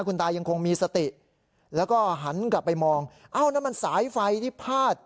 คุณตายังคงมีสติแล้วก็หันกลับไปมองเอ้านั่นมันสายไฟที่พาด